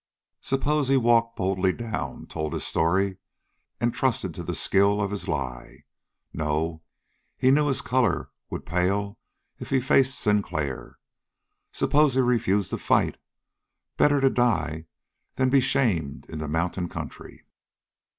Suppose he walked boldly down, told his story, and trusted to the skill of his lie? No, he knew his color would pale if he faced Sinclair. Suppose he refused to fight? Better to die than be shamed in the mountain country.